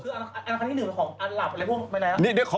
คืออันคลักษณ์ที่หนึ่งหลับอะไรพวกไม่ได้เหรอ